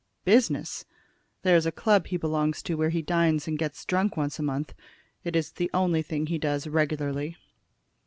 "Business! There is a club he belongs to where he dines and gets drunk once a month. It's the only thing he does regularly."